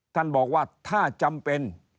ท่านบอกว่าถ้าจำเป็น